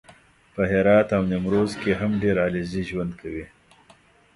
په هرات او نیمروز کې هم ډېر علیزي ژوند کوي